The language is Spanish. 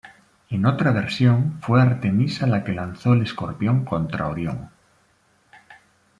En otra versión fue Artemisa la que lanzó el escorpión contra Orión.